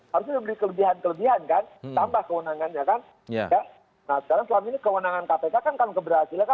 harusnya memiliki kelebihan kelebihan kan